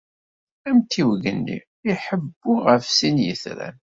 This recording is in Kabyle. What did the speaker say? Amtiweg-nni iḥebbu ɣef sin n yitran.